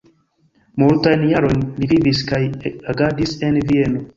Multajn jarojn li vivis kaj agadis en Vieno.